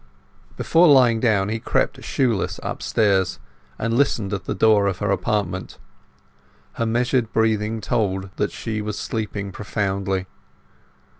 Before lying down he crept shoeless upstairs, and listened at the door of her apartment. Her measured breathing told that she was sleeping profoundly.